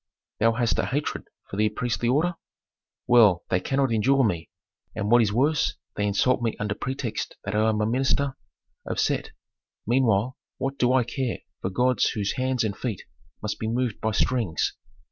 "Thou hast a hatred for the priestly order?" "Well, they cannot endure me, and what is worse they insult me under pretext that I am a minister of Set. Meanwhile, what do I care for gods whose hands and feet must be moved by strings.